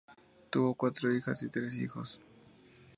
Tuvo cuatro hijas y tres hijos.